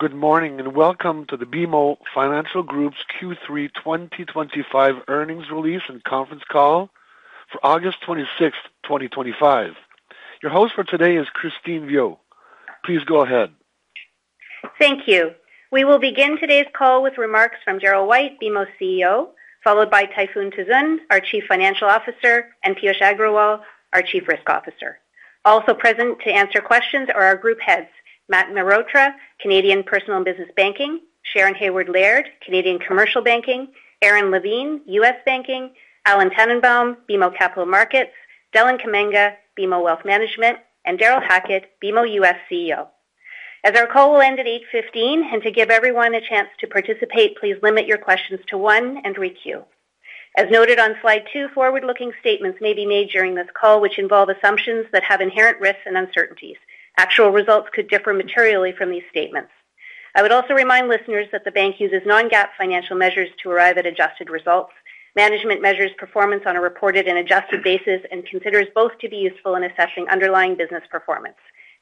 Good morning and welcome to the BMO Financial Group's Q3 2025 Earnings Release and Conference Call for August 26, 2025. Your host for today is Christine Viau. Please go ahead. Thank you. We will begin today's call with remarks from Darryl White, BMO CEO, followed by Tayfun Tuzun, our Chief Financial Officer, and Piyush Agrawal, our Chief Risk Officer. Also present to answer questions are our group heads, Matt Mehrotra, Canadian Personal and Business Banking, Sharon Hayward-Laird, Canadian Commercial Banking, Aron Levine, U.S. Banking, Alan Tannenbaum, BMO Capital Markets, Deland Kamanga, BMO Wealth Management, and Darrel Hackett, BMO U.S. CEO. As our call will end at 8:15 A.M., and to give everyone a chance to participate, please limit your questions to one and re-cue. As noted on slide two, forward-looking statements may be made during this call, which involve assumptions that have inherent risks and uncertainties. Actual results could differ materially from these statements. I would also remind listeners that the bank uses non-GAAP financial measures to arrive at adjusted results. Management measures performance on a reported and adjusted basis and considers both to be useful in assessing underlying business performance.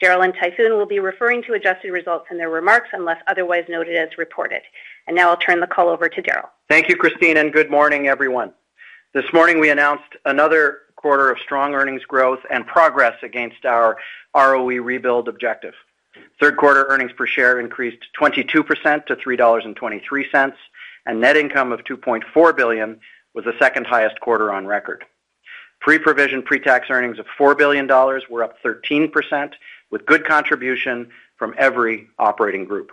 Darryl and Tayfun will be referring to adjusted results in their remarks unless otherwise noted as reported. Now I'll turn the call over to Darryl. Thank you, Christine, and good morning, everyone. This morning, we announced another quarter of strong earnings growth and progress against our ROE rebuild objective. Third quarter earnings per share increased 22% to $3.23, and net income of $2.4 billion was the second highest quarter on record. Pre-provision pre-tax earnings of $4 billion were up 13%, with good contribution from every operating group.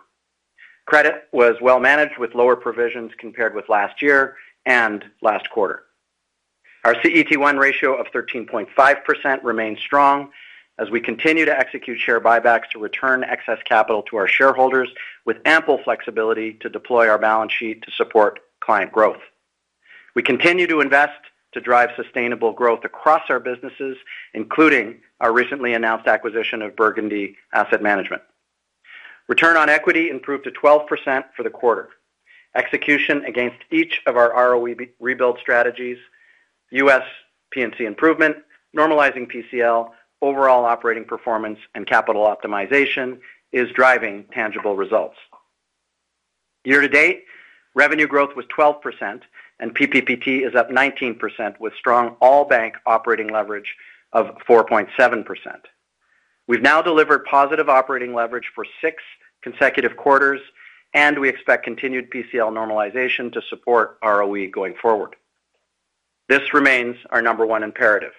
Credit was well managed with lower provisions compared with last year and last quarter. Our CET1 ratio of 13.5% remains strong as we continue to execute share buybacks to return excess capital to our shareholders with ample flexibility to deploy our balance sheet to support client growth. We continue to invest to drive sustainable growth across our businesses, including our recently announced acquisition of Burgundy Asset Management. Return on equity improved to 12% for the quarter. Execution against each of our ROE rebuild strategies: U.S. P&C improvement, normalizing PCL, overall operating performance, and capital optimization is driving tangible results. Year to date, revenue growth was 12%, and PPPT is up 19% with strong all-bank operating leverage of 4.7%. We've now delivered positive operating leverage for six consecutive quarters, and we expect continued PCL normalization to support ROE going forward. This remains our number one imperative,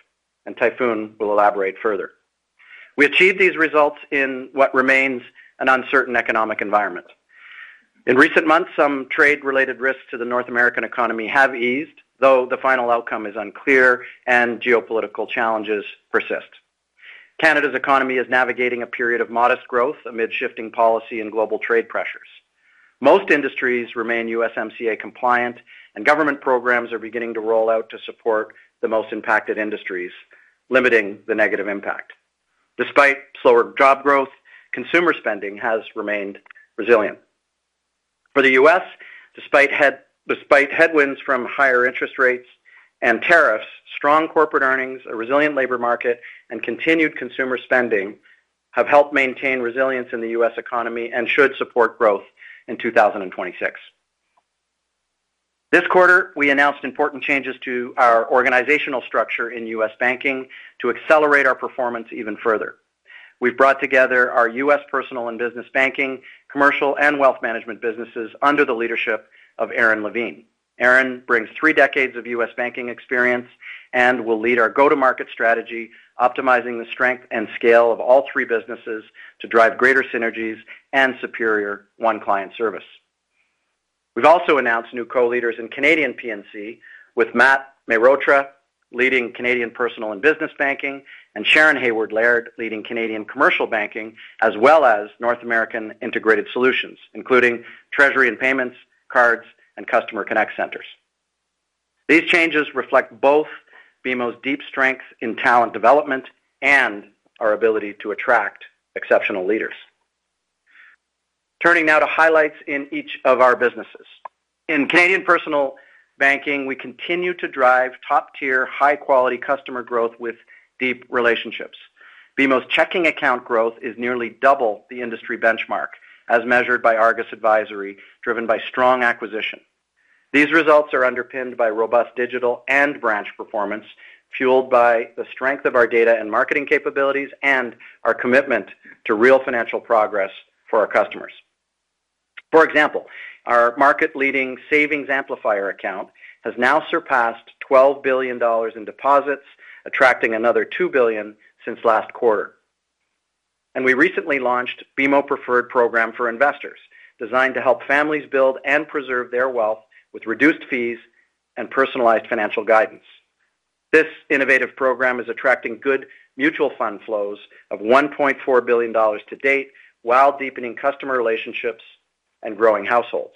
and Tayfun will elaborate further. We achieved these results in what remains an uncertain economic environment. In recent months, some trade-related risks to the North American economy have eased, though the final outcome is unclear and geopolitical challenges persist. Canada's economy is navigating a period of modest growth amid shifting policy and global trade pressures. Most industries remain USMCA compliant, and government programs are beginning to roll out to support the most impacted industries, limiting the negative impact. Despite slower job growth, consumer spending has remained resilient. For the U.S., despite headwinds from higher interest rates and tariffs, strong corporate earnings, a resilient labor market, and continued consumer spending have helped maintain resilience in the U.S. economy and should support growth in 2026. This quarter, we announced important changes to our organizational structure in U.S. banking to accelerate our performance even further. We've brought together our U.S. Personal and Business Banking, Commercial, and Wealth Management businesses under the leadership of Aron Levine. Aron brings three decades of U.S. banking experience and will lead our go-to-market strategy, optimizing the strength and scale of all three businesses to drive greater synergies and superior one-client service. We've also announced new co-leaders in Canadian P&C, with Matt Mehrotra leading Canadian Personal and Business Banking and Sharon Haward-Laird leading Canadian Commercial Banking, as well as North American Integrated Solutions, including Treasury and Payments, Cards, and Customer Connect Centers. These changes reflect both BMO's deep strengths in talent development and our ability to attract exceptional leaders. Turning now to highlights in each of our businesses. In Canadian Personal Banking, we continue to drive top-tier high-quality customer growth with deep relationships. BMO's checking account growth is nearly double the industry benchmark, as measured by Argus Advisory, driven by strong acquisition. These results are underpinned by robust digital and branch performance, fueled by the strength of our data and marketing capabilities and our commitment to real financial progress for our customers. For example, our market-leading Savings Amplifier account has now surpassed $12 billion in deposits, attracting another $2 billion since last quarter. We recently launched BMO Preferred Program for Investors, designed to help families build and preserve their wealth with reduced fees and personalized financial guidance. This innovative program is attracting good mutual fund flows of $1.4 billion to date while deepening customer relationships and growing households.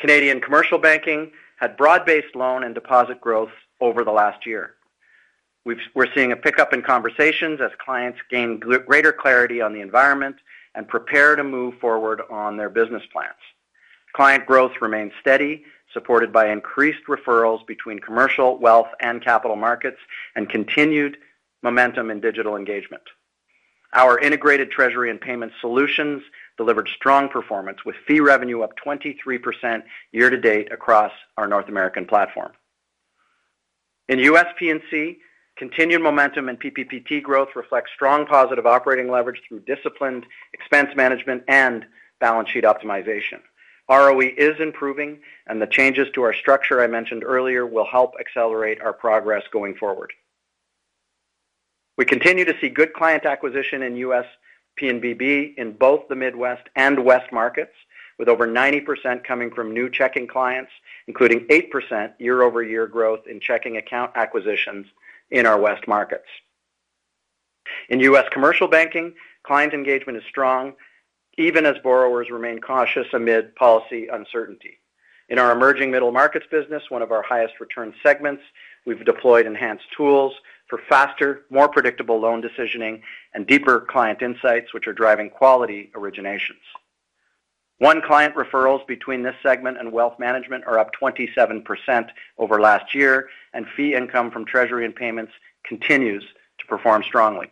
Canadian Commercial Banking had broad-based loan and deposit growth over the last year. We're seeing a pickup in conversations as clients gain greater clarity on the environment and prepare to move forward on their business plans. Client growth remains steady, supported by increased referrals between commercial, wealth, and capital markets, and continued momentum in digital engagement. Our integrated Treasury and Payments solutions delivered strong performance, with fee revenue up 23% year to date across our North American platform. In U.S. P&C, continued momentum in PPPT growth reflects strong positive operating leverage through disciplined expense management and balance sheet optimization. ROE is improving, and the changes to our structure I mentioned earlier will help accelerate our progress going forward. We continue to see good client acquisition in U.S. PMBB in both the Midwest and West markets, with over 90% coming from new checking clients, including 8% year-over-year growth in checking account acquisitions in our West markets. In U.S. Commercial Banking, client engagement is strong, even as borrowers remain cautious amid policy uncertainty. In our emerging middle markets business, one of our highest return segments, we've deployed enhanced tools for faster, more predictable loan decisioning and deeper client insights, which are driving quality originations. One-client referrals between this segment and Wealth Management are up 27% over last year, and fee income from Treasury and Payments continues to perform strongly.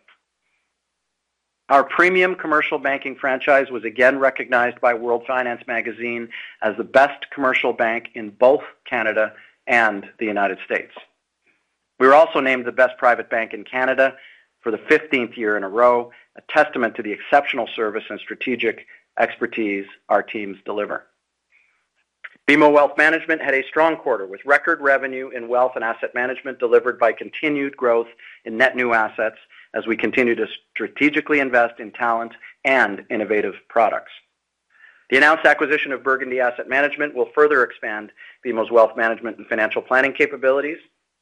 Our premium commercial banking franchise was again recognized by World Finance Magazine as the best commercial bank in both Canada and the United States. We were also named the best private bank in Canada for the 15th year in a row, a testament to the exceptional service and strategic expertise our teams deliver. BMO Wealth Management had a strong quarter with record revenue in wealth and asset management delivered by continued growth in net new assets as we continue to strategically invest in talent and innovative products. The announced acquisition of Burgundy Asset Management will further expand BMO's wealth management and financial planning capabilities.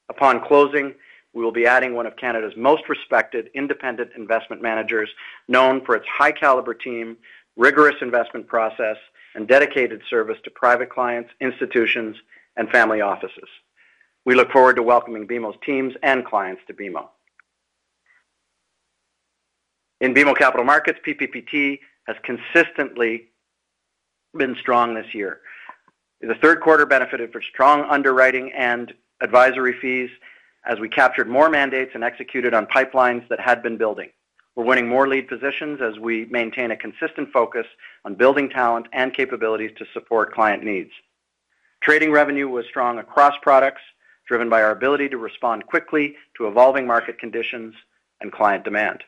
Upon closing, we will be adding one of Canada's most respected independent investment managers, known for its high-caliber team, rigorous investment process, and dedicated service to private clients, institutions, and family offices. We look forward to welcoming Burgundy Asset Management's teams and clients to BMO. In BMO Capital Markets, PPPT has consistently been strong this year. The third quarter benefited from strong underwriting and advisory fees as we captured more mandates and executed on pipelines that had been building. We're winning more lead positions as we maintain a consistent focus on building talent and capabilities to support client needs. Trading revenue was strong across products, driven by our ability to respond quickly to evolving market conditions and client demand.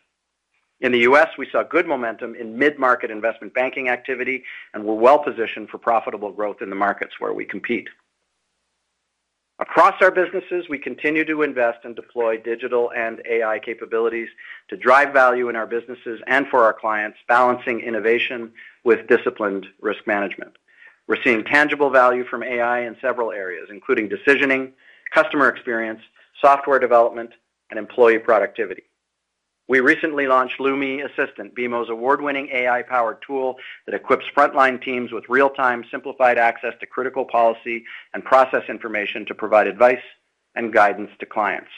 In the U.S., we saw good momentum in mid-market investment banking activity and were well positioned for profitable growth in the markets where we compete. Across our businesses, we continue to invest and deploy digital and AI capabilities to drive value in our businesses and for our clients, balancing innovation with disciplined risk management. We're seeing tangible value from AI in several areas, including decisioning, customer experience, software development, and employee productivity. We recently launched LUMI Assistant AI, BMO's award-winning AI-powered tool that equips frontline teams with real-time, simplified access to critical policy and process information to provide advice and guidance to clients.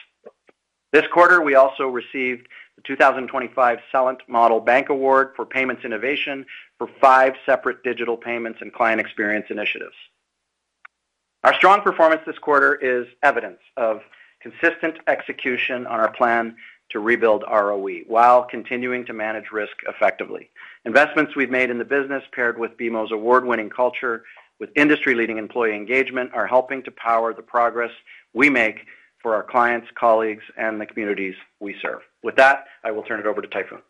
This quarter, we also received the 2025 Celent Model Bank Award for Payments Innovation for five separate digital payments and client experience initiatives. Our strong performance this quarter is evidence of consistent execution on our plan to rebuild ROE while continuing to manage risk effectively. Investments we've made in the business, paired with BMO's award-winning culture with industry-leading employee engagement, are helping to power the progress we make for our clients, colleagues, and the communities we serve. With that, I will turn it over to Tayfun.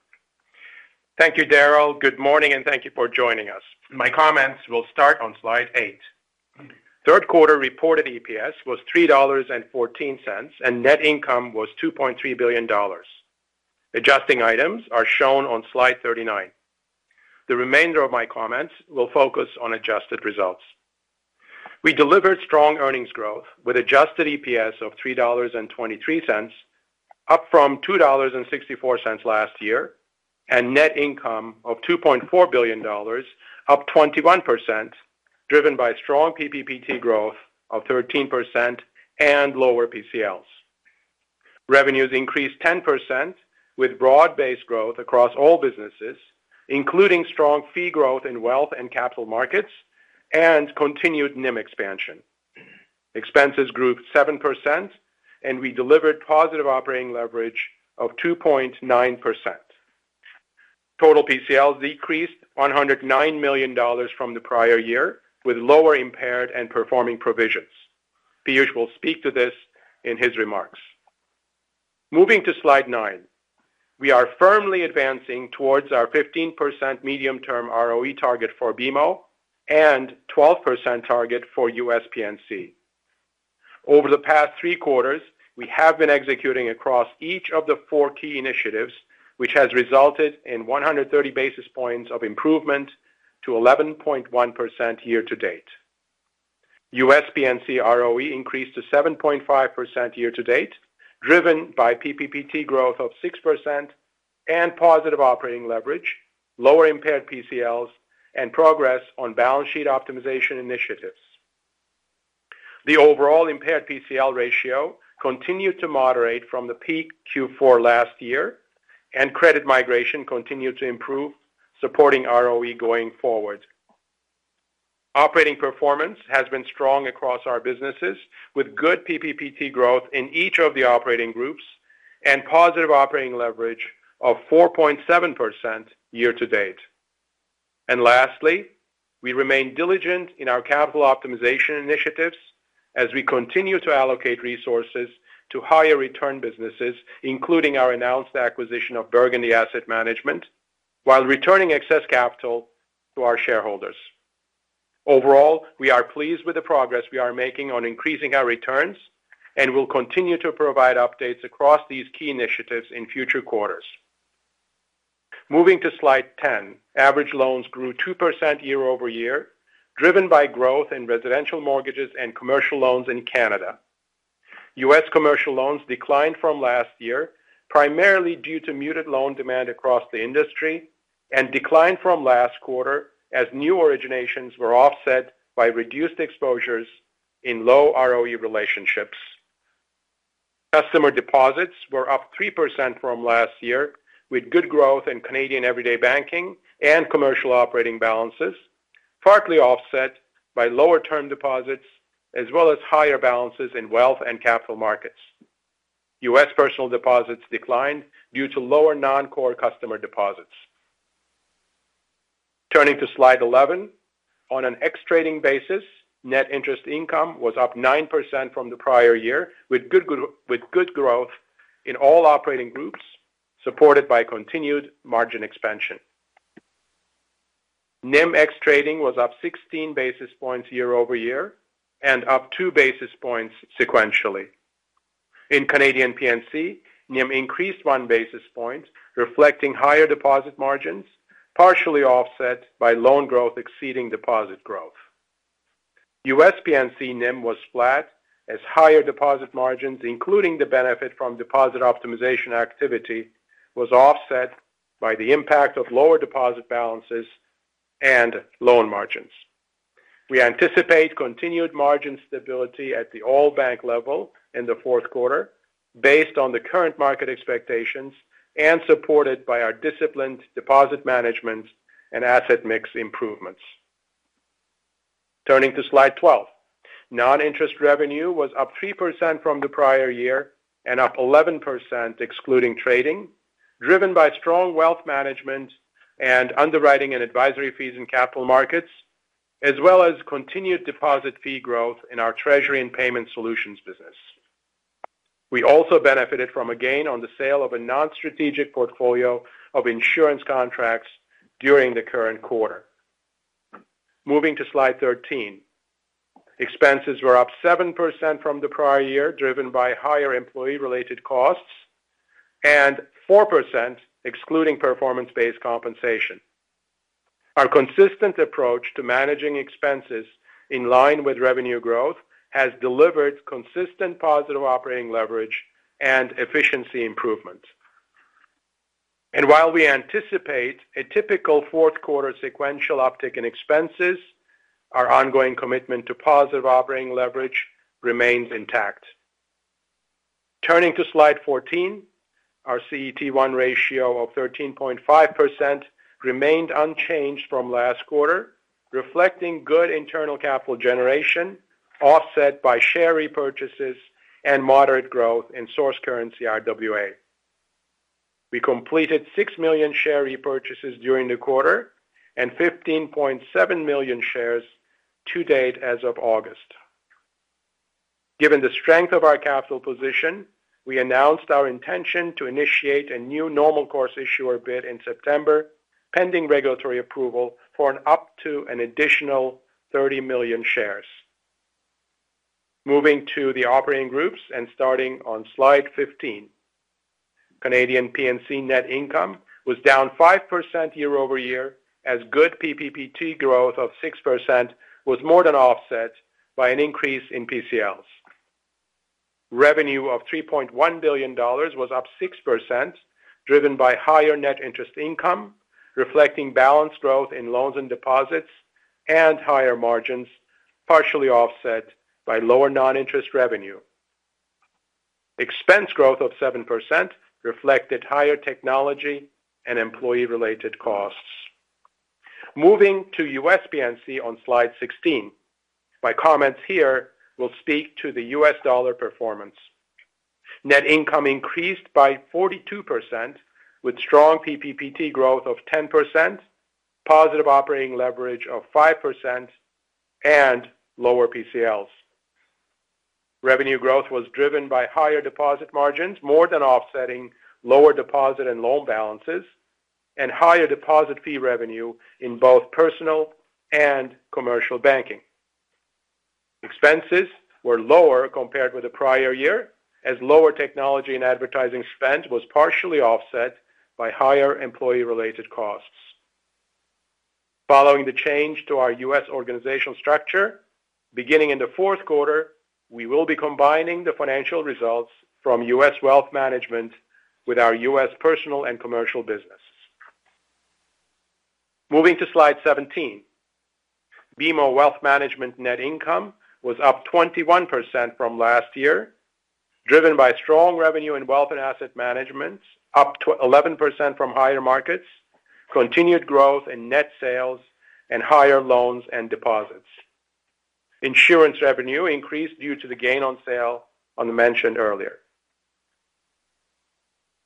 Thank you, Darryl. Good morning and thank you for joining us. My comments will start on slide eight. Third quarter reported EPS was $3.14 and net income was $2.3 billion. Adjusting items are shown on slide 39. The remainder of my comments will focus on adjusted results. We delivered strong earnings growth with adjusted EPS of $3.23, up from $2.64 last year, and net income of $2.4 billion, up 21%, driven by strong PPPT growth of 13% and lower PCLs. Revenues increased 10% with broad-based growth across all businesses, including strong fee growth in wealth and capital markets and continued NIM expansion. Expenses grew 7% and we delivered positive operating leverage of 2.9%. Total PCLs decreased $109 million from the prior year with lower impaired and performing provisions. Piyush will speak to this in his remarks. Moving to slide nine, we are firmly advancing towards our 15% medium-term ROE target for BMO and 12% target for U.S. P&C. Over the past three quarters, we have been executing across each of the four key initiatives, which has resulted in 130 basis points of improvement to 11.1% year to date. U.S. P&C ROE increased to 7.5% year to date, driven by PPPT growth of 6% and positive operating leverage, lower impaired PCLs, and progress on balance sheet optimization initiatives. The overall impaired PCL ratio continued to moderate from the peak Q4 last year, and credit migration continued to improve, supporting ROE going forward. Operating performance has been strong across our businesses, with good PPPT growth in each of the operating groups and positive operating leverage of 4.7% year to date. Lastly, we remain diligent in our capital optimization initiatives as we continue to allocate resources to higher return businesses, including our announced acquisition of Burgundy Asset Management, while returning excess capital to our shareholders. Overall, we are pleased with the progress we are making on increasing our returns and will continue to provide updates across these key initiatives in future quarters. Moving to slide 10, average loans grew 2% year-over-year, driven by growth in residential mortgages and commercial loans in Canada. U.S. commercial loans declined from last year, primarily due to muted loan demand across the industry, and declined from last quarter as new originations were offset by reduced exposures in low ROE relationships. Customer deposits were up 3% from last year, with good growth in Canadian everyday banking and commercial operating balances, partly offset by lower term deposits as well as higher balances in wealth and capital markets. U.S. personal deposits declined due to lower non-core customer deposits. Turning to slide 11, on an extrading basis, net interest income was up 9% from the prior year, with good growth in all operating groups, supported by continued margin expansion. NIM extrading was up 16 basis points year-over-year and up two basis points sequentially. In Canadian P&C, NIM increased one basis point, reflecting higher deposit margins, partially offset by loan growth exceeding deposit growth. U.S. P&C NIM was flat as higher deposit margins, including the benefit from deposit optimization activity, were offset by the impact of lower deposit balances and loan margins. We anticipate continued margin stability at the all-bank level in the fourth quarter, based on the current market expectations and supported by our disciplined deposit management and asset mix improvements. Turning to slide 12, non-interest revenue was up 3% from the prior year and up 11% excluding trading, driven by strong wealth management and underwriting and advisory fees in capital markets, as well as continued deposit fee growth in our Treasury and Payments Solutions business. We also benefited from a gain on the sale of a non-strategic portfolio of insurance contracts during the current quarter. Moving to slide 13, expenses were up 7% from the prior year, driven by higher employee-related costs and 4% excluding performance-based compensation. Our consistent approach to managing expenses in line with revenue growth has delivered consistent positive operating leverage and efficiency improvements. While we anticipate a typical fourth quarter sequential uptick in expenses, our ongoing commitment to positive operating leverage remains intact. Turning to slide 14, our CET1 ratio of 13.5% remained unchanged from last quarter, reflecting good internal capital generation offset by share repurchases and moderate growth in source currency RWA. We completed 6 million share repurchases during the quarter and 15.7 million shares to date as of August. Given the strength of our capital position, we announced our intention to initiate a new normal course issuer bid in September, pending regulatory approval for up to an additional 30 million shares. Moving to the operating groups and starting on slide 15, Canadian P&C net income was down 5% year-over-year as good PPPT growth of 6% was more than offset by an increase in PCLs. Revenue of $3.1 billion was up 6%, driven by higher net interest income, reflecting balanced growth in loans and deposits and higher margins, partially offset by lower non-interest revenue. Expense growth of 7% reflected higher technology and employee-related costs. Moving to U.S. P&C on slide 16, my comments here will speak to the U.S. dollar performance. Net income increased by 42% with strong PPPT growth of 10%, positive operating leverage of 5%, and lower PCLs. Revenue growth was driven by higher deposit margins more than offsetting lower deposit and loan balances and higher deposit fee revenue in both personal and commercial banking. Expenses were lower compared with the prior year as lower technology and advertising spend was partially offset by higher employee-related costs. Following the change to our U.S. organizational structure, beginning in the fourth quarter, we will be combining the financial results from U.S. Wealth Management with our U.S. Personal and Commercial Business. Moving to slide 17, BMO Wealth Management net income was up 21% from last year, driven by strong revenue in wealth and asset management, up to 11% from higher markets, continued growth in net sales, and higher loans and deposits. Insurance revenue increased due to the gain on sale mentioned earlier.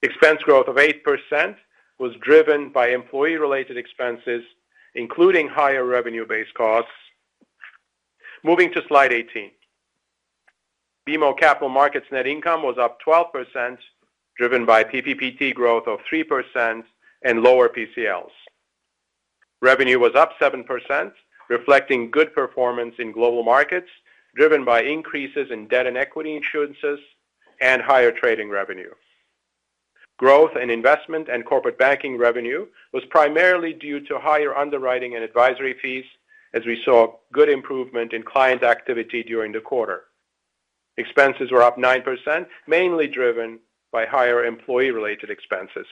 Expense growth of 8% was driven by employee-related expenses, including higher revenue-based costs. Moving to slide 18, BMO Capital Markets net income was up 12%, driven by PPPT growth of 3% and lower PCLs. Revenue was up 7%, reflecting good performance in global markets, driven by increases in debt and equity issuances and higher trading revenue. Growth in investment and corporate banking revenue was primarily due to higher underwriting and advisory fees, as we saw good improvement in client activity during the quarter. Expenses were up 9%, mainly driven by higher employee-related expenses.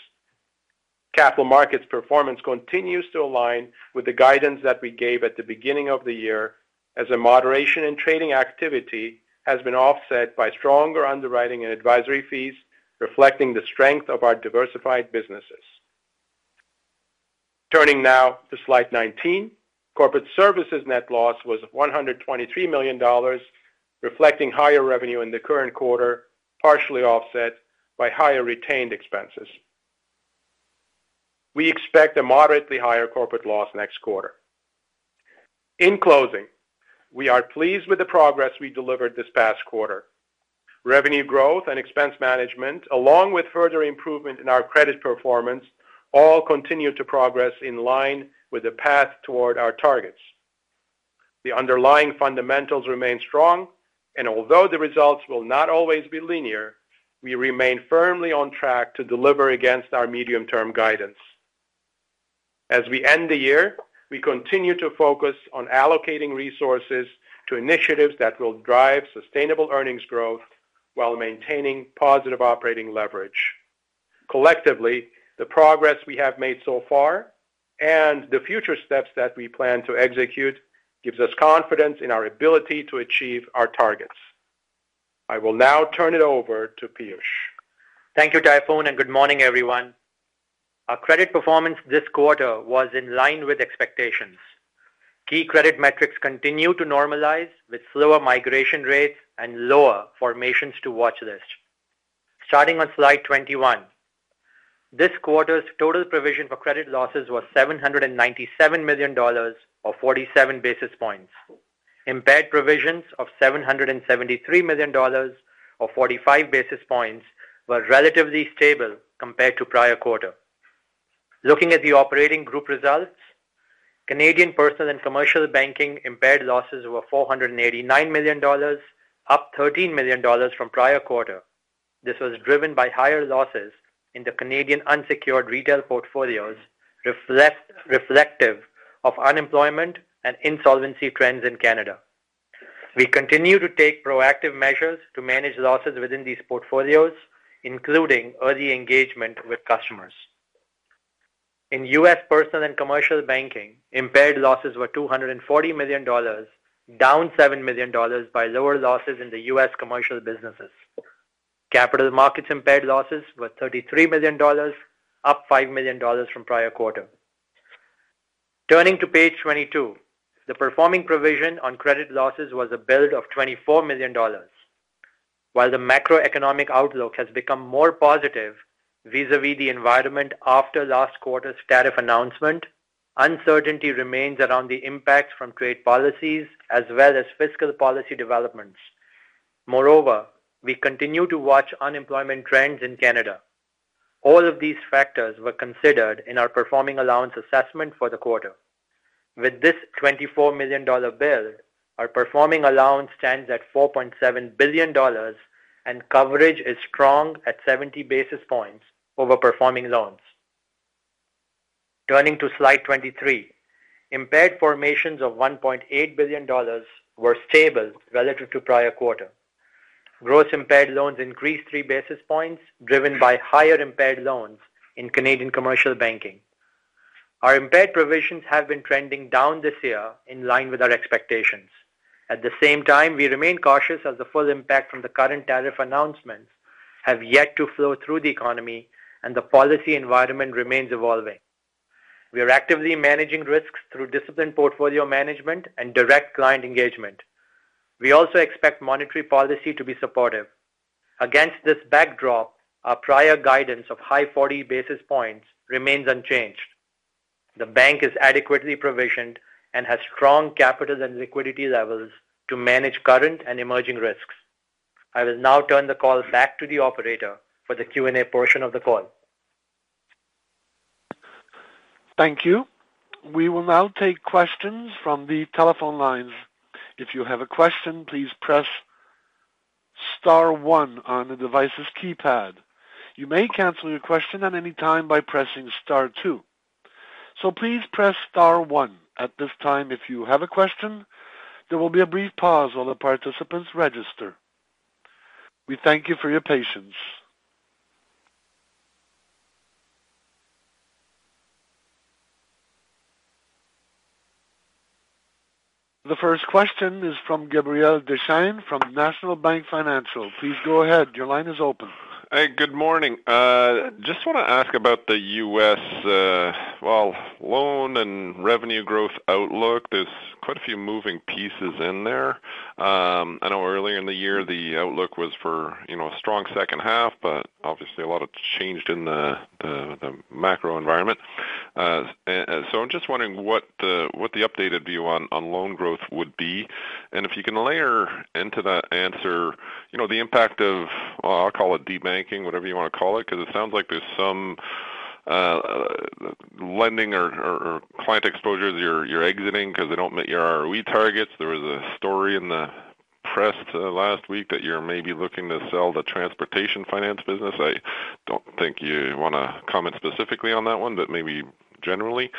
Capital markets performance continues to align with the guidance that we gave at the beginning of the year, as a moderation in trading activity has been offset by stronger underwriting and advisory fees, reflecting the strength of our diversified businesses. Turning now to slide 19, corporate services net loss was $123 million, reflecting higher revenue in the current quarter, partially offset by higher retained expenses. We expect a moderately higher corporate loss next quarter. In closing, we are pleased with the progress we delivered this past quarter. Revenue growth and expense management, along with further improvement in our credit performance, all continue to progress in line with the path toward our targets. The underlying fundamentals remain strong, and although the results will not always be linear, we remain firmly on track to deliver against our medium-term guidance. As we end the year, we continue to focus on allocating resources to initiatives that will drive sustainable earnings growth while maintaining positive operating leverage. Collectively, the progress we have made so far and the future steps that we plan to execute give us confidence in our ability to achieve our targets. I will now turn it over to Piyush. Thank you, Tayfun, and good morning, everyone. Our credit performance this quarter was in line with expectations. Key credit metrics continue to normalize with slower migration rates and lower formations to watch list. Starting on slide 21, this quarter's total provision for credit losses was $797 million or 47 basis points. Impaired provisions of $773 million or 45 basis points were relatively stable compared to prior quarter. Looking at the operating group results, Canadian Personal and Commercial Banking impaired losses were $489 million, up $13 million from prior quarter. This was driven by higher losses in the Canadian unsecured retail portfolios, reflective of unemployment and insolvency trends in Canada. We continue to take proactive measures to manage losses within these portfolios, including early engagement with customers. In U.S. Personal and Commercial Banking, impaired losses were $240 million, down $7 million by lower losses in the U.S. Commercial Businesses. Capital Markets impaired losses were $33 million, up $5 million from prior quarter. Turning to page 22, the performing provision on credit losses was a build of $24 million. While the macroeconomic outlook has become more positive vis-à-vis the environment after last quarter's tariff announcement, uncertainty remains around the impacts from trade policies as well as fiscal policy developments. Moreover, we continue to watch unemployment trends in Canada. All of these factors were considered in our Performing Allowance Assessment for the quarter. With this $24 million build, our Performing Allowance stands at $4.7 billion and coverage is strong at 70 basis points over performing loans. Turning to slide 23, impaired formations of $1.8 billion were stable relative to prior quarter. Gross impaired loans increased three basis points, driven by higher impaired loans in Canadian Commercial Banking. Our impaired provisions have been trending down this year in line with our expectations. At the same time, we remain cautious as the full impact from the current tariff announcement has yet to flow through the economy and the policy environment remains evolving. We are actively managing risks through disciplined portfolio management and direct client engagement. We also expect monetary policy to be supportive. Against this backdrop, our prior guidance of high 40 basis points remains unchanged. The bank is adequately provisioned and has strong capital and liquidity levels to manage current and emerging risks. I will now turn the call back to the operator for the Q&A portion of the call. Thank you. We will now take questions from the telephone lines. If you have a question, please press star one on the device's keypad. You may cancel your question at any time by pressing star two. Please press star one at this time if you have a question. There will be a brief pause while the participants register. We thank you for your patience. The first question is from Gabriel Dechaine from National Bank Financial. Please go ahead. Your line is open. Hey, good morning. I just want to ask about the U.S., loan and revenue growth outlook. There's quite a few moving pieces in there. I know earlier in the year the outlook was for, you know, a strong second half, but obviously a lot of change in the macro environment. I'm just wondering what the updated view on loan growth would be. If you can layer into that answer, you know, the impact of, I'll call it debanking, whatever you want to call it, because it sounds like there's some lending or client exposures you're exiting because they don't meet your ROE targets. There was a story in the press last week that you're maybe looking to sell the transportation finance business. I don't think you want to comment specifically on that one, but maybe generally.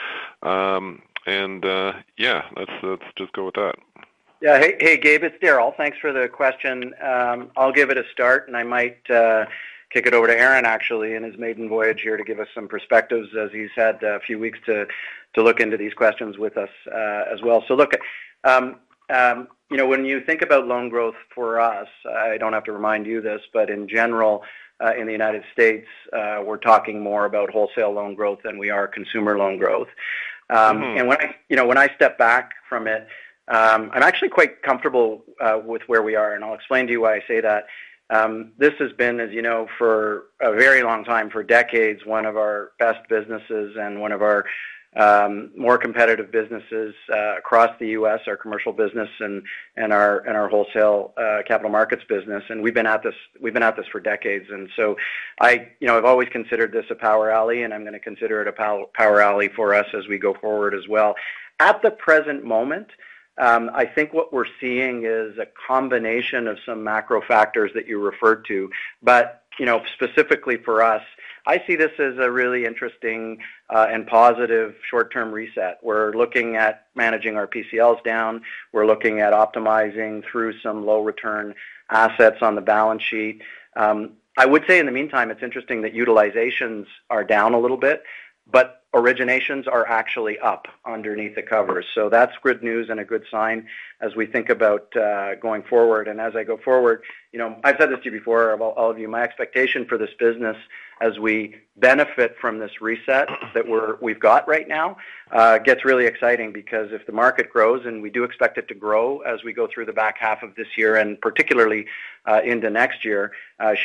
Yeah, let's just go with that. Yeah, hey, Gabe, it's Darryl. Thanks for the question. I'll give it a start and I might kick it over to Aron, actually, in his maiden voyage here to give us some perspectives as he's had a few weeks to look into these questions with us as well. Look, you know, when you think about loan growth for us, I don't have to remind you this, but in general, in the U.S., we're talking more about wholesale loan growth than we are consumer loan growth. When I step back from it, I'm actually quite comfortable with where we are. I'll explain to you why I say that. This has been, as you know, for a very long time, for decades, one of our best businesses and one of our more competitive businesses across the U.S., our commercial business and our wholesale capital markets business. We've been at this for decades. I've always considered this a power alley and I'm going to consider it a power alley for us as we go forward as well. At the present moment, I think what we're seeing is a combination of some macro factors that you referred to. Specifically for us, I see this as a really interesting and positive short-term reset. We're looking at managing our PCLs down. We're looking at optimizing through some low return assets on the balance sheet. I would say in the meantime, it's interesting that utilizations are down a little bit, but originations are actually up underneath the covers. That's good news and a good sign as we think about going forward. As I go forward, you know, I've said this to you before, all of you, my expectation for this business as we benefit from this reset that we've got right now gets really exciting because if the market grows and we do expect it to grow as we go through the back half of this year and particularly into next year,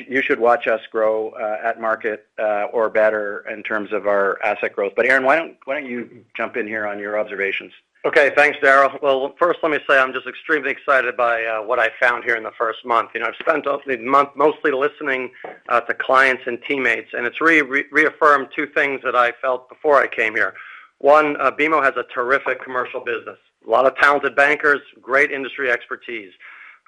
you should watch us grow at market or better in terms of our asset growth. Aron, why don't you jump in here on your observations? Okay, thanks, Darryl. First, let me say I'm just extremely excited by what I found here in the first month. I've spent a month mostly listening to clients and teammates, and it's reaffirmed two things that I felt before I came here. One, BMO has a terrific commercial business, a lot of talented bankers, great industry expertise.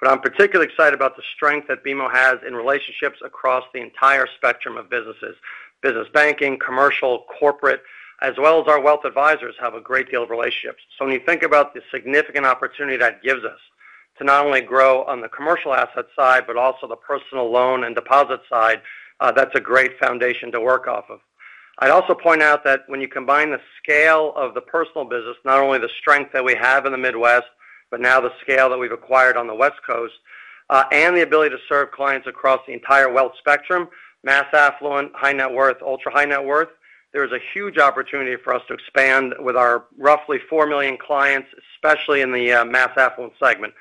I'm particularly excited about the strength that BMO has in relationships across the entire spectrum of businesses. Business banking, commercial, corporate, as well as our wealth advisors have a great deal of relationships. When you think about the significant opportunity that gives us to not only grow on the commercial asset side, but also the personal loan and deposit side, that's a great foundation to work off of. I'd also point out that when you combine the scale of the personal business, not only the strength that we have in the Midwest, but now the scale that we've acquired on the West Coast and the ability to serve clients across the entire wealth spectrum, mass affluent, high net worth, ultra high net worth, there is a huge opportunity for us to expand with our roughly 4 million clients, especially in the mass affluent segment.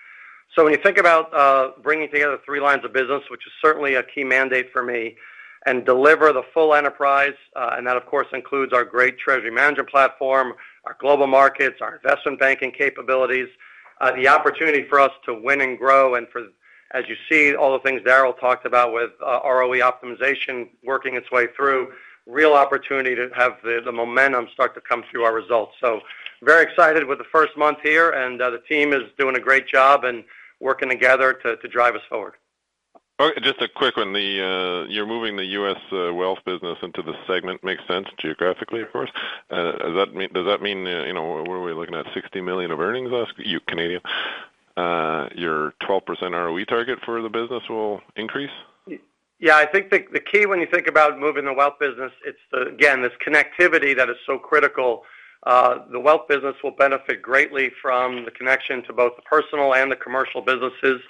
When you think about bringing together three lines of business, which is certainly a key mandate for me, and deliver the full enterprise, and that of course includes our great Treasury Management platform, our global markets, our investment banking capabilities, the opportunity for us to win and grow, and for, as you see, all the things Darryl talked about with ROE optimization working its way through, real opportunity to have the momentum start to come through our results. Very excited with the first month here, and the team is doing a great job and working together to drive us forward. Just a quick one, you're moving the U.S. wealth business into this segment, makes sense geographically, of course. Does that mean, you know, what are we looking at, $60 million of earnings? You, Canadian, your 12% ROE target for the business will increase? Yeah, I think the key when you think about moving the wealth business, it's this connectivity that is so critical. The wealth business will benefit greatly from the connection to both the personal and the commercial businesses,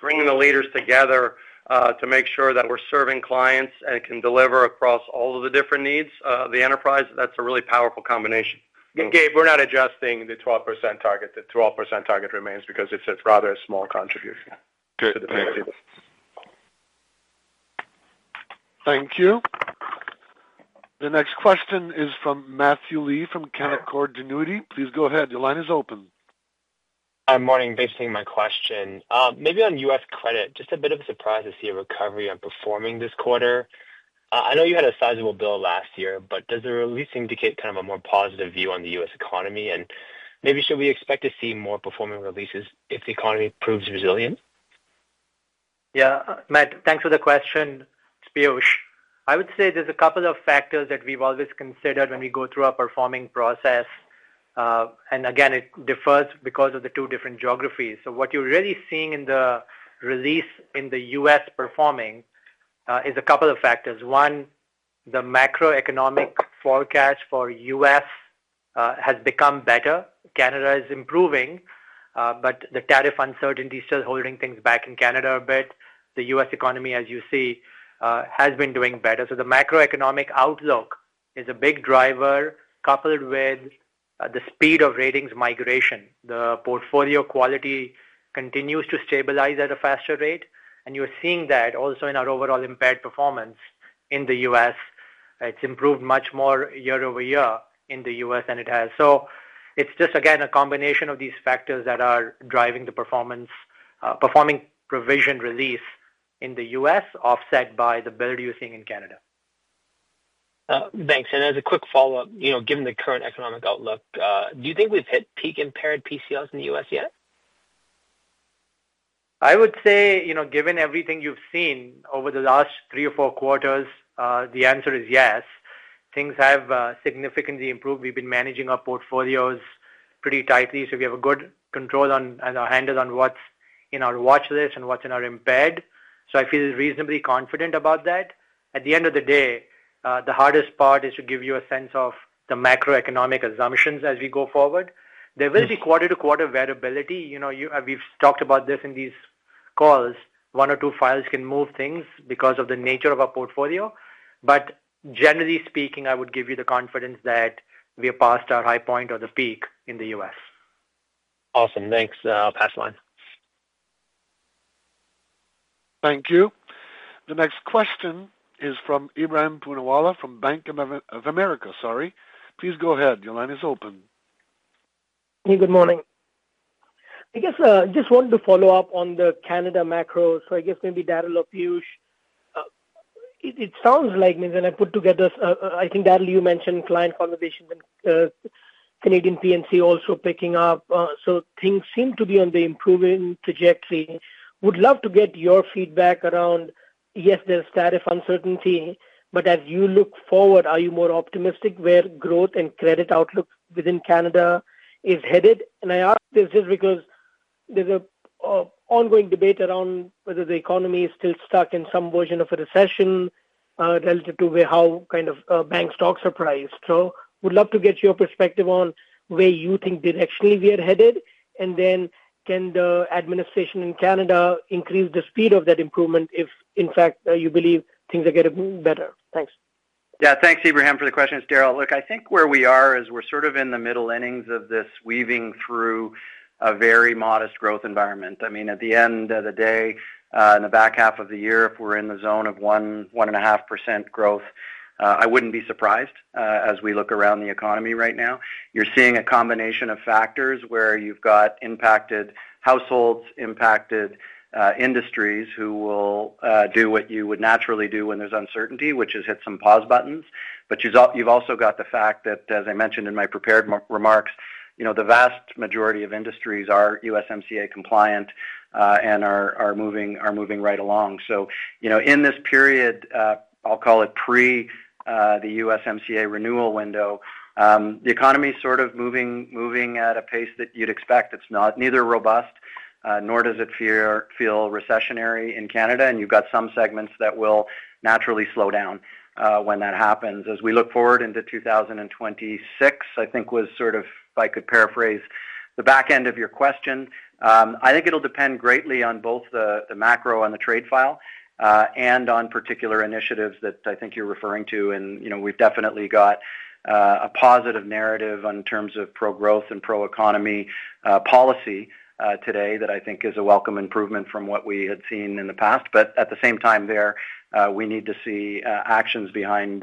bringing the leaders together to make sure that we're serving clients and can deliver across all of the different needs of the enterprise. That's a really powerful combination. Gabe, we're not adjusting the 12% target. The 12% target remains because it's a rather small contribution to the 15%. Thank you. The next question is from Matthew Lee from Canaccord Genuity. Please go ahead. Your line is open. Morning, thanks for taking my question. Maybe on U.S. credit, just a bit of a surprise to see a recovery on performing this quarter. I know you had a sizable bill last year, but does the release indicate kind of a more positive view on the U.S. economy? Maybe should we expect to see more performing releases if the economy proves resilient? Yeah, Matt, thanks for the question. I would say there's a couple of factors that we've always considered when we go through our performing process. It differs because of the two different geographies. What you're really seeing in the release in the U.S. performing is a couple of factors. One, the macroeconomic forecast for the U.S. has become better. Canada is improving, but the tariff uncertainty is still holding things back in Canada a bit. The U.S. economy, as you see, has been doing better. The macroeconomic outlook is a big driver, coupled with the speed of ratings migration. The portfolio quality continues to stabilize at a faster rate. You're seeing that also in our overall impaired performance in the U.S. It's improved much more year-over-year in the U.S. than it has. It's just, again, a combination of these factors that are driving the performance performing provision release in the U.S., offset by the build you're seeing in Canada. Thanks. As a quick follow-up, given the current economic outlook, do you think we've hit peak impaired PCLs in the U.S. yet? I would say, you know, given everything you've seen over the last three or four quarters, the answer is yes. Things have significantly improved. We've been managing our portfolios pretty tightly, so we have good control and a handle on what's in our watch list and what's in our impaired. I feel reasonably confident about that. At the end of the day, the hardest part is to give you a sense of the macroeconomic assumptions as we go forward. There will be quarter-to-quarter variability. We've talked about this in these calls. One or two files can move things because of the nature of our portfolio. Generally speaking, I would give you the confidence that we are past our high point or the peak in the U.S. Awesome. Thanks. I'll pass the line. Thank you. The next question is from Ebrahim Poonawala from Bank of America. Please go ahead. Your line is open. Hey, good morning. I guess I just wanted to follow up on the Canada macro. I guess maybe Darryl or Piyush, it sounds like when I put together, I think Darryl, you mentioned client conversation with Canadian PNC also picking up. Things seem to be on the improving trajectory. Would love to get your feedback around, yes, there's tariff uncertainty, but as you look forward, are you more optimistic where growth and credit outlook within Canada is headed? I ask this just because there's an ongoing debate around whether the economy is still stuck in some version of a recession relative to how kind of bank stocks are priced. I would love to get your perspective on where you think directionally we are headed. Can the administration in Canada increase the speed of that improvement if, in fact, you believe things are getting better? Thanks. Yeah, thanks, Ebrahim, for the question, Darryl. Look, I think where we are is we're sort of in the middle innings of this weaving through a very modest growth environment. I mean, at the end of the day, in the back half of the year, if we're in the zone of 1%, 1.5% growth, I wouldn't be surprised as we look around the economy right now. You're seeing a combination of factors where you've got impacted households, impacted industries who will do what you would naturally do when there's uncertainty, which has hit some pause buttons. You've also got the fact that, as I mentioned in my prepared remarks, the vast majority of industries are USMCA compliant and are moving right along. In this period, I'll call it pre the USMCA renewal window, the economy is sort of moving at a pace that you'd expect. It's not neither robust nor does it feel recessionary in Canada. You've got some segments that will naturally slow down when that happens. As we look forward into 2026, I think was sort of, if I could paraphrase, the back end of your question. I think it'll depend greatly on both the macro and the trade file and on particular initiatives that I think you're referring to. We've definitely got a positive narrative in terms of pro-growth and pro-economy policy today that I think is a welcome improvement from what we had seen in the past. At the same time there, we need to see actions behind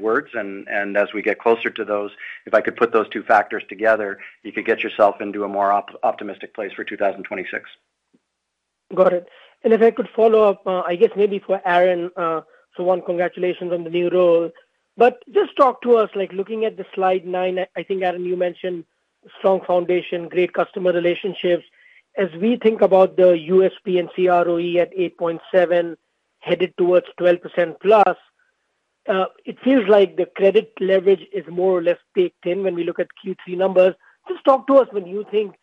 words. As we get closer to those, if I could put those two factors together, you could get yourself into a more optimistic place for 2026. Got it. If I could follow up, I guess maybe for Aron, one, congratulations on the new role. Just talk to us, looking at slide nine, I think Aron, you mentioned strong foundation, great customer relationships. As we think about the U.S. P&C ROE at 8.7%, headed towards 12%+, it feels like the credit leverage is more or less baked in when we look at Q3 numbers. Just talk to us when you think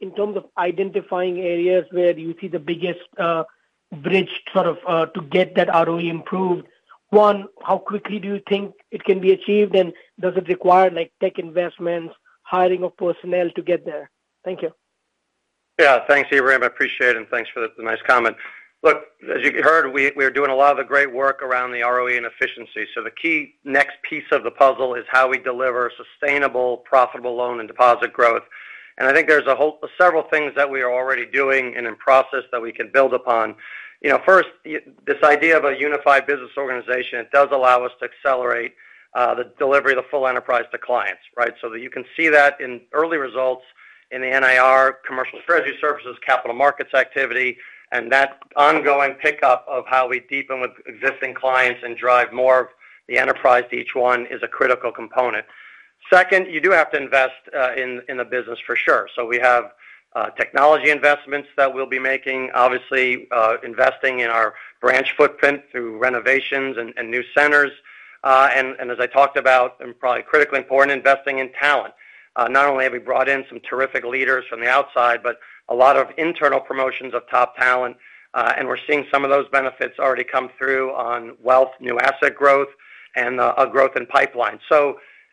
in terms of identifying areas where you see the biggest bridge to get that ROE improved. One, how quickly do you think it can be achieved and does it require tech investments, hiring of personnel to get there? Thank you. Yeah, thanks, Ebrahim. I appreciate it, and thanks for the nice comment. Look, as you heard, we are doing a lot of the great work around the ROE and efficiency. The key next piece of the puzzle is how we deliver sustainable, profitable loan and deposit growth. I think there's several things that we are already doing and in process that we can build upon. First, this idea of a unified business organization does allow us to accelerate the delivery of the full enterprise to clients, right? You can see that in early results in the NIR, commercial and treasury services, capital markets activity, and that ongoing pickup of how we deepen with existing clients and drive more of the enterprise to each one is a critical component. Second, you do have to invest in the business for sure. We have technology investments that we'll be making, obviously investing in our branch footprint through renovations and new centers. As I talked about, and probably critically important, investing in talent. Not only have we brought in some terrific leaders from the outside, but a lot of internal promotions of top talent. We're seeing some of those benefits already come through on wealth, new asset growth, and a growth in pipelines.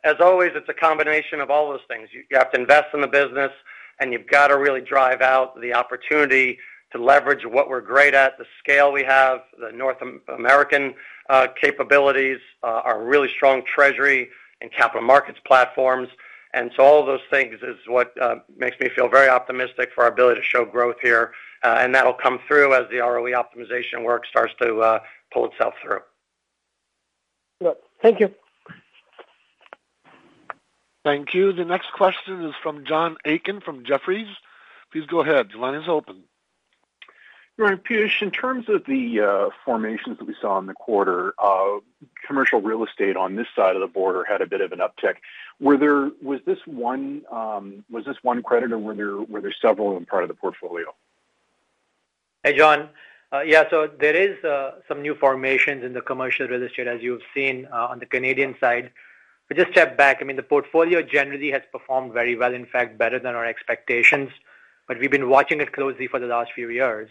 As always, it's a combination of all those things. You have to invest in the business, and you've got to really drive out the opportunity to leverage what we're great at, the scale we have, the North American capabilities, our really strong treasury and capital markets platforms. All of those things are what makes me feel very optimistic for our ability to show growth here. That'll come through as the ROE optimization work starts to pull itself through. Thank you. Thank you. The next question is from John Aiken from Jefferies. Please go ahead. Your line is open. Piyush, in terms of the formations that we saw in the quarter, commercial real estate on this side of the border had a bit of an uptick. Was this one credit or were there several in part of the portfolio? Hey, John. Yeah, there are some new formations in the commercial real estate, as you've seen on the Canadian side. I just stepped back. I mean, the portfolio generally has performed very well, in fact, better than our expectations. We've been watching it closely for the last few years,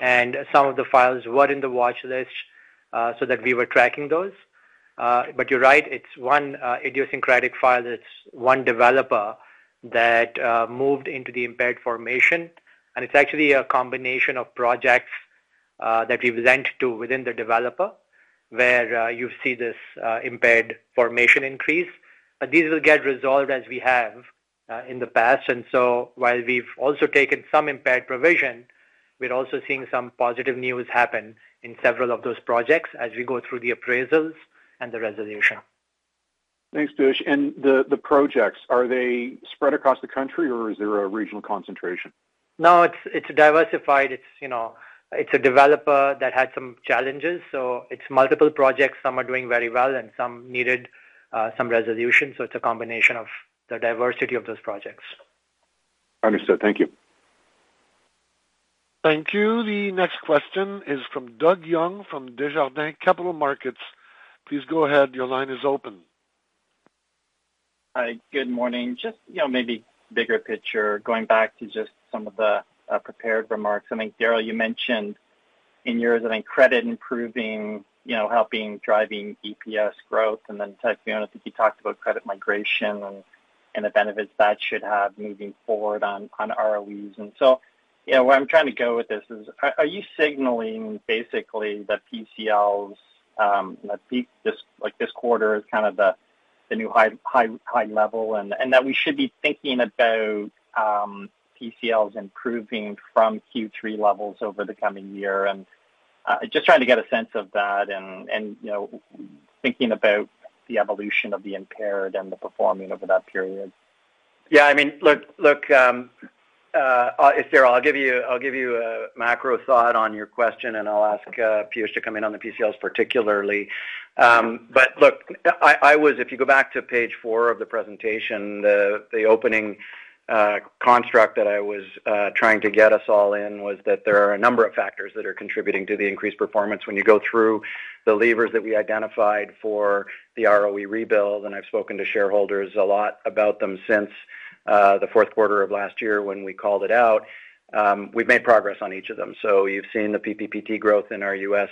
and some of the files were in the watch list so that we were tracking those. You're right, it's one idiosyncratic file. It's one developer that moved into the impaired formation. It's actually a combination of projects that we've linked to within the developer where you've seen this impaired formation increase. These will get resolved as we have in the past. While we've also taken some impaired provision, we're also seeing some positive news happen in several of those projects as we go through the appraisals and the resolution. Thanks, Piyush. Are the projects spread across the country or is there a regional concentration? No, it's diversified. It's a developer that had some challenges. It's multiple projects. Some are doing very well, and some needed some resolution. It's a combination of the diversity of those projects. Understood. Thank you. Thank you. The next question is from Doug Young from Desjardins Capital Markets. Please go ahead. Your line is open. Hi, good morning. Maybe bigger picture, going back to just some of the prepared remarks. I think, Darryl, you mentioned in yours, credit improving, helping driving EPS growth. I think you talked about credit migration and the benefits that should have moving forward on ROEs. Where I'm trying to go with this is, are you signaling basically that PCL, like this quarter, is kind of the new high level and that we should be thinking about PCLs improving from Q3 levels over the coming year? I'm just trying to get a sense of that and thinking about the evolution of the impaired and the performing over that period. Yeah, I mean, if there are, I'll give you a macro thought on your question and I'll ask Piyush to come in on the PCLs particularly. If you go back to page four of the presentation, the opening construct that I was trying to get us all in was that there are a number of factors that are contributing to the increased performance. When you go through the levers that we identified for the ROE rebuild, and I've spoken to shareholders a lot about them since the fourth quarter of last year when we called it out, we've made progress on each of them. You've seen the PPPT growth in our U.S.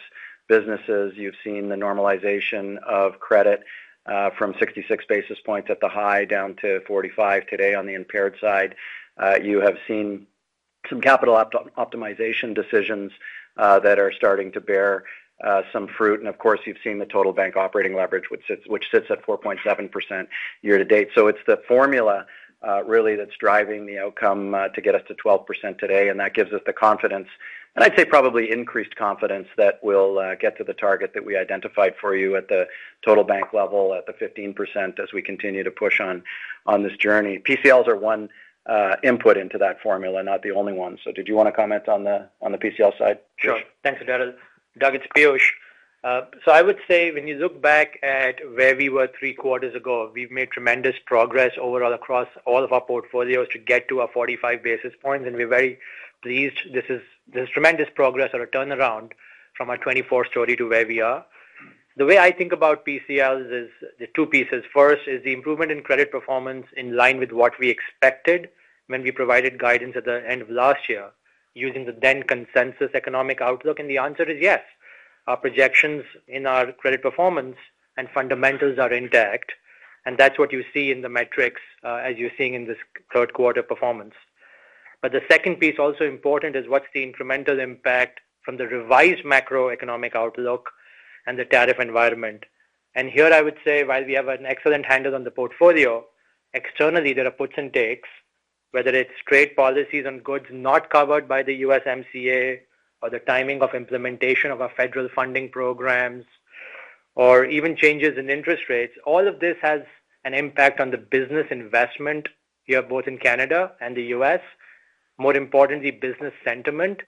businesses. You've seen the normalization of credit from 66 basis points at the high down to 45 today on the impaired side. You have seen some capital optimization decisions that are starting to bear some fruit. Of course, you've seen the total bank operating leverage, which sits at 4.7% year to date. It's the formula really that's driving the outcome to get us to 12% today. That gives us the confidence, and I'd say probably increased confidence that we'll get to the target that we identified for you at the total bank level at the 15% as we continue to push on this journey. PCLs are one input into that formula, not the only one. Did you want to comment on the PCL side? Sure. Thanks, Darryl. Doug, it's Piyush. I would say when you look back at where we were three quarters ago, we've made tremendous progress overall across all of our portfolios to get to our 45 basis points. We're very pleased. This is tremendous progress or a turnaround from our 24 story to where we are. The way I think about PCLs is the two pieces. First is the improvement in credit performance in line with what we expected when we provided guidance at the end of last year using the then consensus economic outlook. The answer is yes. Our projections in our credit performance and fundamentals are intact. That's what you see in the metrics as you're seeing in this third quarter performance. The second piece, also important, is what's the incremental impact from the revised macroeconomic outlook and the tariff environment. Here I would say while we have an excellent handle on the portfolio, externally there are puts and takes, whether it's trade policies on goods not covered by the USMCA or the timing of implementation of our federal funding programs or even changes in interest rates. All of this has an impact on the business investment here both in Canada and the U.S., more importantly, business sentiment.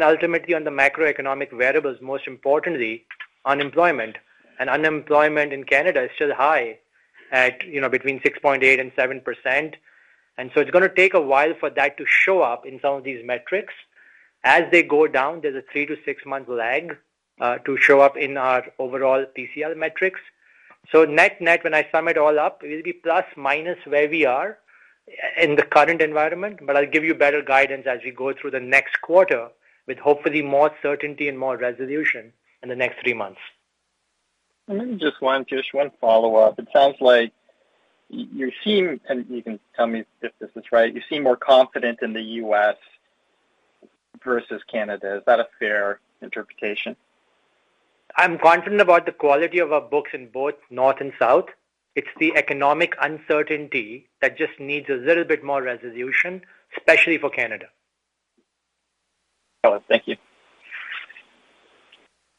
Ultimately, on the macroeconomic variables, most importantly, unemployment. Unemployment in Canada is still high at, you know, between 6.8% and 7%. It's going to take a while for that to show up in some of these metrics. As they go down, there's a three to six month lag to show up in our overall PCL metrics. Net net, when I sum it all up, it'll be plus minus where we are in the current environment. I'll give you better guidance as we go through the next quarter with hopefully more certainty and more resolution in the next three months. Maybe just one, Piyush, one follow-up. It sounds like you seem, and you can tell me if this is right, you seem more confident in the U.S. versus Canada. Is that a fair interpretation? I'm confident about the quality of our books in both North and South. It's the economic uncertainty that just needs a little bit more resolution, especially for Canada. Got it. Thank you.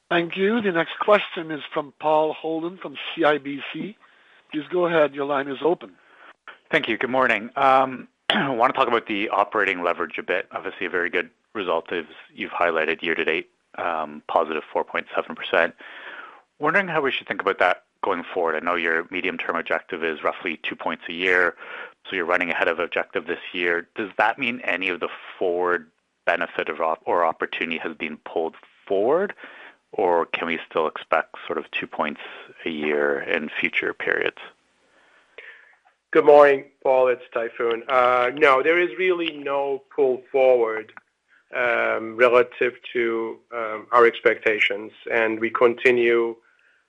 Thank you. The next question is from Paul Holden from CIBC. Please go ahead. Your line is open. Thank you. Good morning. I want to talk about the operating leverage a bit. Obviously, a very good result as you've highlighted year to date, +4.7%. Wondering how we should think about that going forward. I know your medium-term objective is roughly two points a year. You're running ahead of objective this year. Does that mean any of the forward benefit or opportunity has been pulled forward, or can we still expect sort of two points a year in future periods? Good morning, Paul. It's Tayfun. No, there is really no pull forward relative to our expectations. We continue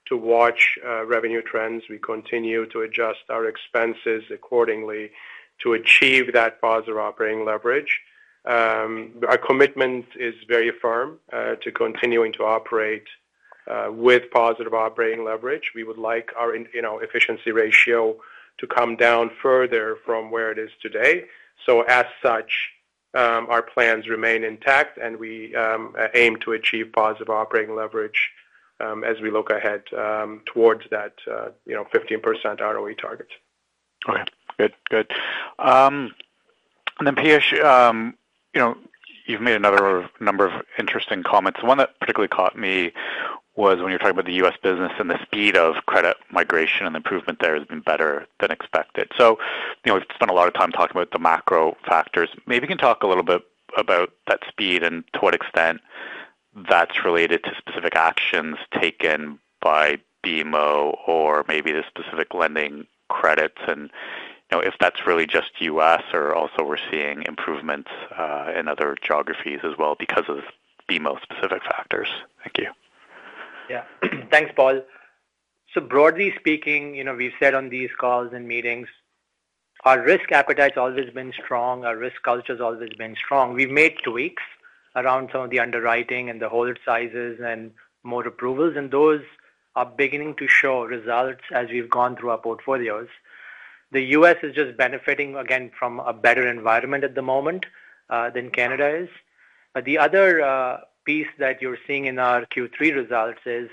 to watch revenue trends and continue to adjust our expenses accordingly to achieve that positive operating leverage. Our commitment is very firm to continuing to operate with positive operating leverage. We would like our efficiency ratio to come down further from where it is today. As such, our plans remain intact and we aim to achieve positive operating leverage as we look ahead towards that 15% ROE target. All right. Good. And then, Piyush, you've made another number of interesting comments. The one that particularly caught me was when you're talking about the U.S. business and the speed of credit migration and the improvement there has been better than expected. We've spent a lot of time talking about the macro factors. Maybe you can talk a little bit about that speed and to what extent that's related to specific actions taken by BMO or maybe the specific lending credits. If that's really just U.S. or also we're seeing improvements in other geographies as well because of BMO-specific factors. Thank you. Yeah, thanks, Paul. Broadly speaking, you know, we've said on these calls and meetings, our risk appetite's always been strong. Our risk culture's always been strong. We've made tweaks around some of the underwriting and the hold sizes and more approvals. Those are beginning to show results as we've gone through our portfolios. The U.S. is just benefiting, again, from a better environment at the moment than Canada is. The other piece that you're seeing in our Q3 results is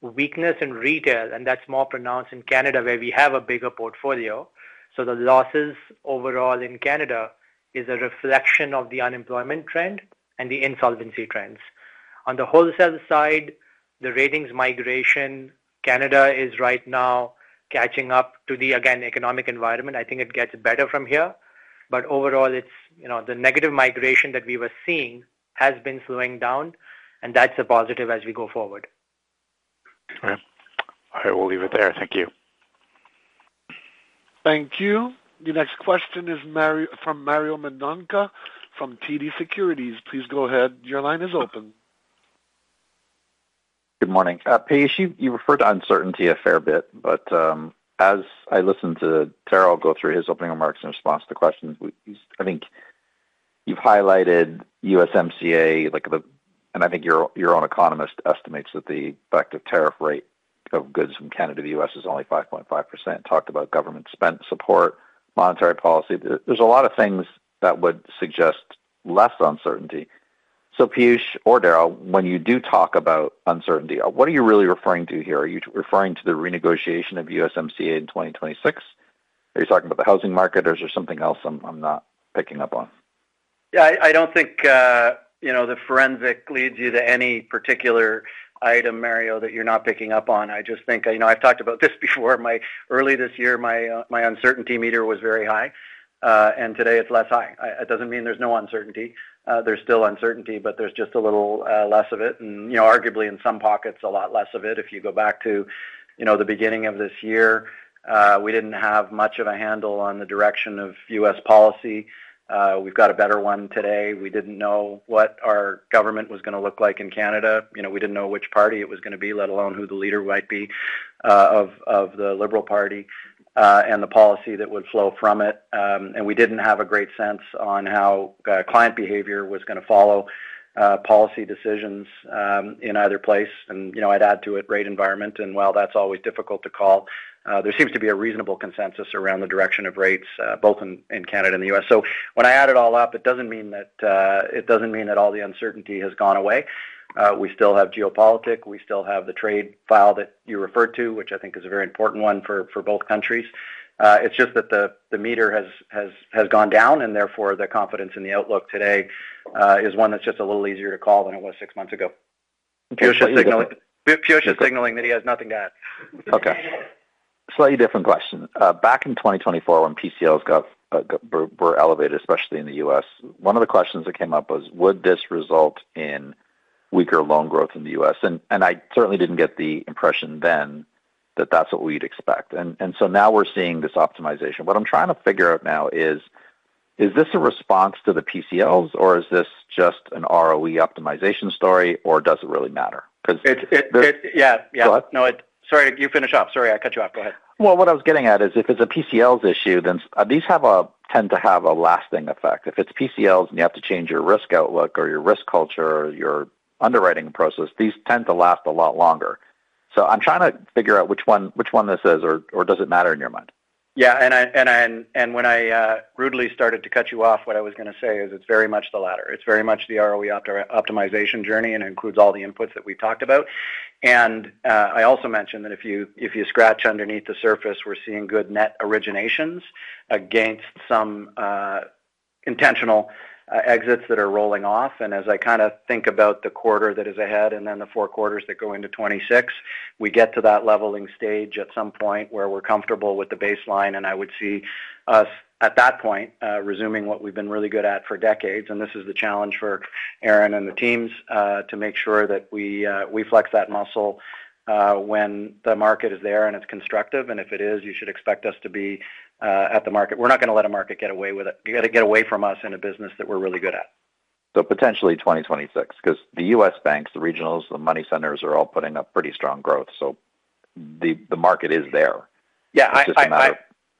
weakness in retail. That's more pronounced in Canada where we have a bigger portfolio. The losses overall in Canada are a reflection of the unemployment trend and the insolvency trends. On the wholesale side, the ratings migration, Canada is right now catching up to the, again, economic environment. I think it gets better from here. Overall, it's, you know, the negative migration that we were seeing has been slowing down. That's a positive as we go forward. All right. We'll leave it there. Thank you. Thank you. The next question is from Mario Mendonca from TD Securities. Please go ahead. Your line is open. Good morning. Piyush, you referred to uncertainty a fair bit, but as I listened to Darryl go through his opening remarks in response to the questions, I think you've highlighted USMCA, and I think your own economist estimates that the effective tariff rate of goods from Canada to the U.S. is only 5.5%. Talked about government spend support, monetary policy. There are a lot of things that would suggest less uncertainty. Piyush or Darryl, when you do talk about uncertainty, what are you really referring to here? Are you referring to the renegotiation of USMCA in 2026? Are you talking about the housing market or is there something else I'm not picking up on? Yeah, I don't think the forensic leads you to any particular item, Mario, that you're not picking up on. I just think I've talked about this before. Early this year, my uncertainty meter was very high. Today it's less high. It doesn't mean there's no uncertainty. There's still uncertainty, but there's just a little less of it. Arguably in some pockets, a lot less of it. If you go back to the beginning of this year, we didn't have much of a handle on the direction of U.S. policy. We've got a better one today. We didn't know what our government was going to look like in Canada. We didn't know which party it was going to be, let alone who the leader might be of the Liberal Party and the policy that would flow from it. We didn't have a great sense on how client behavior was going to follow policy decisions in either place. I'd add to it rate environment. While that's always difficult to call, there seems to be a reasonable consensus around the direction of rates, both in Canada and the U.S. When I add it all up, it doesn't mean that all the uncertainty has gone away. We still have geopolitics. We still have the trade file that you referred to, which I think is a very important one for both countries. It's just that the meter has gone down and therefore the confidence in the outlook today is one that's just a little easier to call than it was six months ago. Piyush is signaling that he has nothing to add. Okay. Slightly different question. Back in 2024 when PCLs were elevated, especially in the U.S., one of the questions that came up was, would this result in weaker loan growth in the U.S.? I certainly didn't get the impression then that that's what we'd expect. Now we're seeing this optimization. What I'm trying to figure out now is, is this a response to the PCLs or is this just an ROE optimization story or does it really matter? Because it's... Yeah. No, sorry, you finish off. Sorry, I cut you off. Go ahead. If it's a PCLs issue, then these tend to have a lasting effect. If it's PCLs and you have to change your risk outlook or your risk culture or your underwriting process, these tend to last a lot longer. I'm trying to figure out which one this is or does it matter in your mind? Yeah, when I rudely started to cut you off, what I was going to say is it's very much the latter. It's very much the ROE optimization journey and includes all the inputs that we talked about. I also mentioned that if you scratch underneath the surface, we're seeing good net originations against some intentional exits that are rolling off. As I kind of think about the quarter that is ahead and then the four quarters that go into 2026, we get to that leveling stage at some point where we're comfortable with the baseline. I would see us at that point resuming what we've been really good at for decades. This is the challenge for Aron and the teams to make sure that we flex that muscle when the market is there and it's constructive. If it is, you should expect us to be at the market. We're not going to let a market get away with it. You got to get away from us in a business that we're really good at. Potentially 2026, because the U.S. banks, the regionals, the money centers are all putting up pretty strong growth. The market is there. Yeah,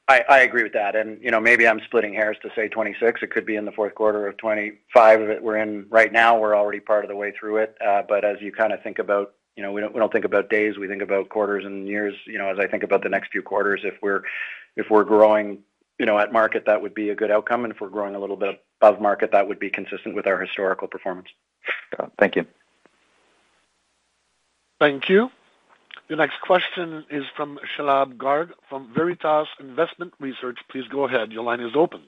I agree with that. Maybe I'm splitting hairs to say 2026. It could be in the fourth quarter of 2025 that we're in right now. We're already part of the way through it. As you kind of think about it, we don't think about days. We think about quarters and years. As I think about the next few quarters, if we're growing at market, that would be a good outcome. If we're growing a little bit above market, that would be consistent with our historical performance. Got it. Thank you. Thank you. The next question is from Shalabh Garg from Veritas Investment Research. Please go ahead. Your line is open.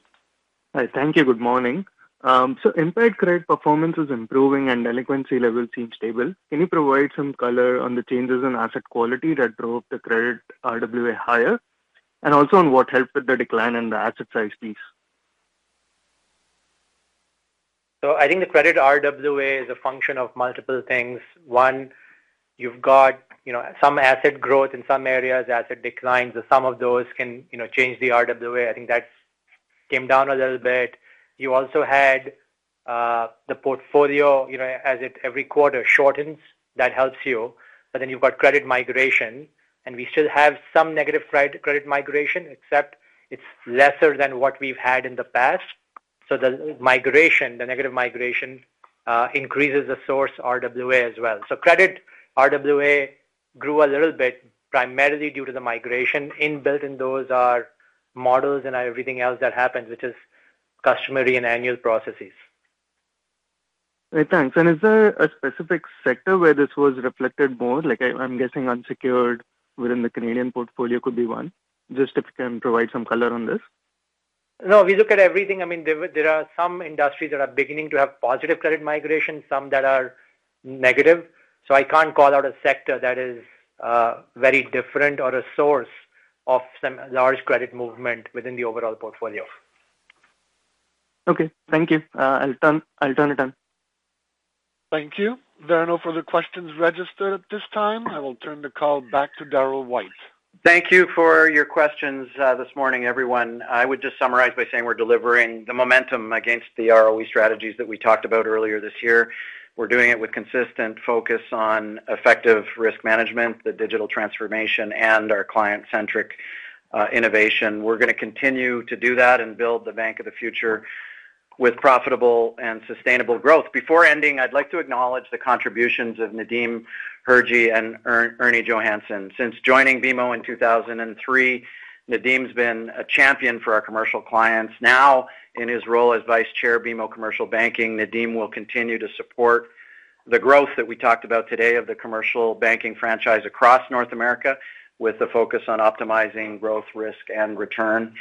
Hi, thank you. Good morning. Impaired credit performance is improving and delinquency levels seem stable. Can you provide some color on the changes in asset quality that drove the credit RWA higher? Also, what helped with the decline in the asset size piece? I think the credit RWA is a function of multiple things. One, you've got some asset growth in some areas, asset declines, and some of those can change the RWA. I think that came down a little bit. You also had the portfolio, as it every quarter shortens, that helps you. You've got credit migration. We still have some negative credit migration, except it's lesser than what we've had in the past. The migration, the negative migration, increases the source RWA as well. Credit RWA grew a little bit primarily due to the migration. Inbuilt in those are models and everything else that happens, which is customary and annual processes. Thanks. Is there a specific sector where this was reflected more? I'm guessing unsecured within the Canadian portfolio could be one. If you can provide some color on this. No, if you look at everything, there are some industries that are beginning to have positive credit migration, some that are negative. I can't call out a sector that is very different or a source of some large credit movement within the overall portfolio. Okay, thank you. I'll turn it on. Thank you. There are no further questions registered at this time. I will turn the call back to Darryl White. Thank you for your questions this morning, everyone. I would just summarize by saying we're delivering the momentum against the ROE strategies that we talked about earlier this year. We're doing it with consistent focus on effective risk management, the digital transformation, and our client-centric innovation. We're going to continue to do that and build the bank of the future with profitable and sustainable growth. Before ending, I'd like to acknowledge the contributions of Nadim Hirji and Ernie Johannson. Since joining BMO in 2003, Nadim's been a champion for our commercial clients. Now, in his role as Vice Chair, BMO Commercial Banking, Nadim will continue to support the growth that we talked about today of the commercial banking franchise across North America with a focus on optimizing growth, risk, and return.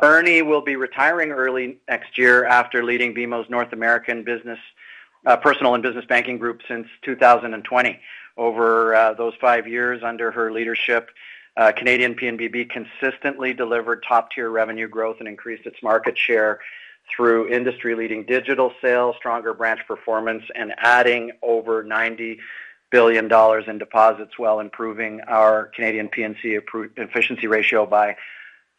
Ernie will be retiring early next year after leading BMO's North American Personal and Business Banking Group since 2020. Over those five years under her leadership, Canadian PNBB consistently delivered top-tier revenue growth and increased its market share through industry-leading digital sales, stronger branch performance, and adding over $90 billion in deposits while improving our Canadian PNC efficiency ratio by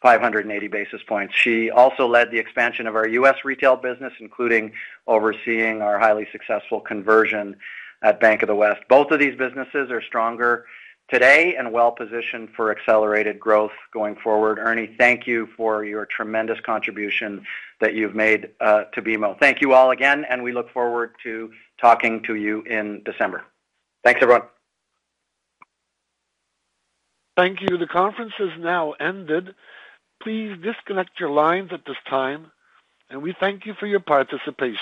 580 basis points. She also led the expansion of our U.S. retail business, including overseeing our highly successful conversion at Bank of the West. Both of these businesses are stronger today and well-positioned for accelerated growth going forward. Ernie, thank you for your tremendous contribution that you've made to BMO. Thank you all again, and we look forward to talking to you in December. Thanks, everyone. Thank you. The conference has now ended. Please disconnect your lines at this time, and we thank you for your participation.